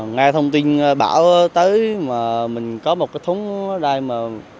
nghe thông tin bảo tới mà mình có một cái thú ở đây mà